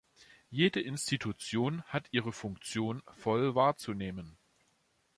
Jede Institution hat ihre Funktion voll wahrzunehmen.